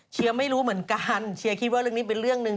ไม่รู้เหมือนกันเชียร์คิดว่าเรื่องนี้เป็นเรื่องหนึ่ง